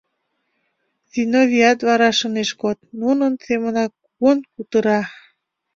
Зиновият вараш ынеж код, нунын семынак кугун кутыра.